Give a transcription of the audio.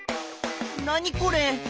何これ？